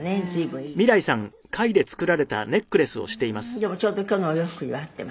でもちょうど今日のお洋服には合ってます」